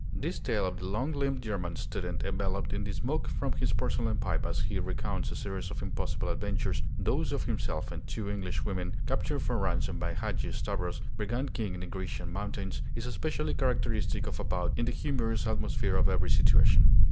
This tale of the long limbed German student, enveloped in the smoke from his porcelain pipe as he recounts a series of impossible adventures, those of himself and two Englishwomen, captured for ransom by Hadgi Stavros, brigand king in the Grecian mountains, is especially characteristic of About in the humorous atmosphere of every situation.